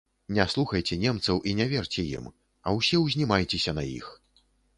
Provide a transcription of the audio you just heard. Не слухайце немцаў і не верце ім, а ўсе ўзнімайцеся на іх.